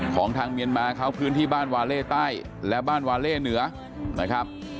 ของทางเมียนมาเขาพื้นที่บ้านวาเล่ใต้และบ้านวาเล่เหนือนะครับ